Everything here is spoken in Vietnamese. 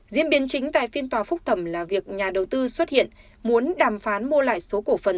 diễn biến chính tại phiên tòa phúc thẩm là việc nhà đầu tư xuất hiện muốn đàm phán mua lại số cổ phần